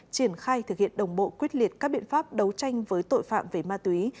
triển khai thực hiện đồng bộ quyết liệt các biện pháp đấu tranh với tội phạm về ma túy